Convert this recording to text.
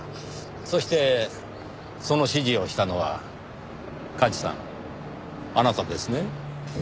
そしてその指示をしたのは梶さんあなたですね。